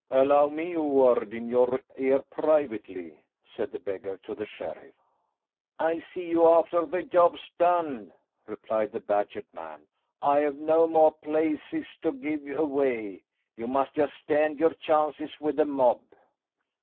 "Allow me a word in your ear privately," said the beggar to the sheriff. "I'll see you after the job's done," replied the badgered man. "I have no more places to give away, you must just stand your chances with the mob."